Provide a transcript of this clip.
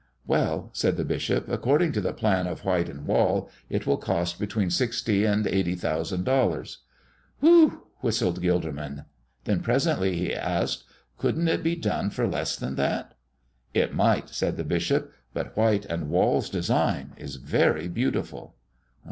"Well," said the bishop, "according to the plan of White & Wall it will cost between sixty and eighty thousand dollars." "Whew!" whistled Gilderman. Then presently he asked: "Couldn't it be done for less than that?" "It might," said the bishop; "but White & Wall's design is very beautiful."